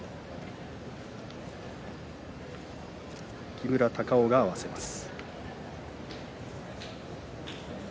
木村隆男が合わせます。